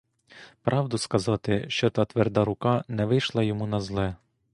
Правду сказати, що та тверда рука не вийшла йому на зле.